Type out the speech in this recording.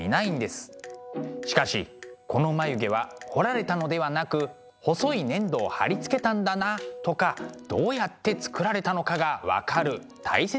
しかしこの眉毛は彫られたのではなく細い粘土を貼り付けたんだなとかどうやって作られたのかが分かる大切な資料でもあるんです。